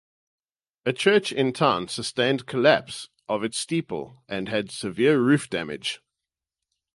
A church in town sustained collapse of its steeple and had severe roof damage.